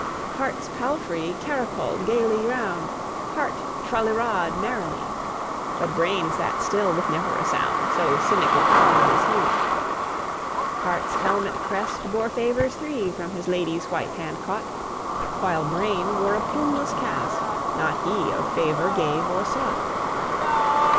III. Heart's palfrey caracoled gaily round, Heart tra li ra'd merrily; But Brain sat still, with never a sound, So cynical calm was he. IV. Heart's helmet crest bore favours three From his lady's white hand caught; While Brain wore a plumeless casque; not he Or favour gave or sought.